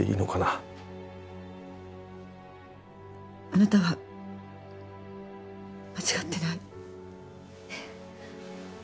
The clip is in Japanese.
あなたは間違ってない。